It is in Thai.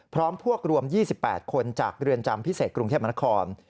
พร้อมพวกรวม๒๘คนจากเรือนจำพิเศษกรุงเทพมนคร